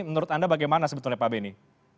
menurut anda bagaimana sebetulnya pak beni